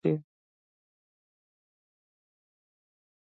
دا د مالي پلان د تطبیق لپاره دی.